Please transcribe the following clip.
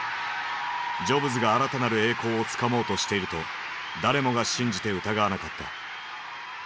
ジョブズが新たなる栄光をつかもうとしていると誰もが信じて疑わなかった。